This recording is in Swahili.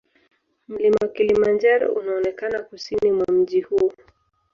Mlima Kilimanjaro unaonekana kusini mwa mji huu.